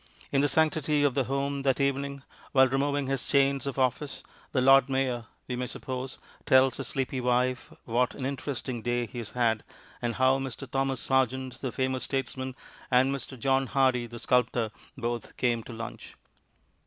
In the sanctity of the home that evening, while removing his chains of office, the Lord Mayor (we may suppose) tells his sleepy wife what an interesting day he has had, and how Mr. Thomas Sargent, the famous statesman, and Mr. John Hardy, the sculptor, both came to lunch.